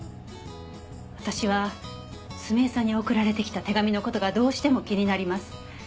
私は澄江さんに送られてきた手紙の事がどうしても気になります。